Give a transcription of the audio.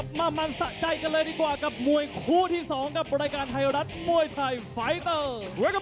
บลุคอร์เนอร์จากพระจูกตีฯแคมป์โฟวินส์